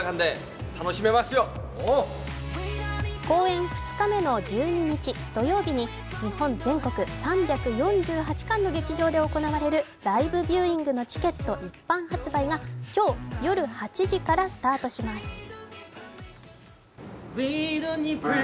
公演２日目の１２日土曜日に日本全国３４８館の劇場で行われるライブビューイングのチケット一般発売が今日夜８時からスタートします。